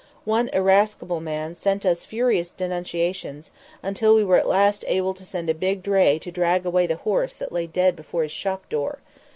One irascible man sent us furious denunciations, until we were at last able to send a big dray to drag away the horse that lay dead before his shop door.